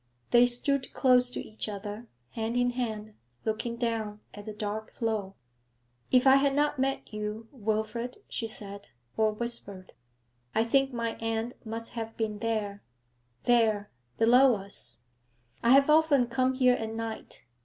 They stood close to each other, hand in hand, looking down at the dark flow. 'If I had not met you, Wilfrid,' she said, or whispered, 'I think my end must have been there there, below us. I have often come here at night.